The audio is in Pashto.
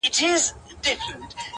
د قصاب له سترګو بلي خواته ګوره!!